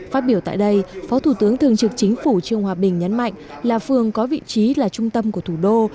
phát biểu tại đây phó thủ tướng thường trực chính phủ trương hòa bình nhấn mạnh là phường có vị trí là trung tâm của thủ đô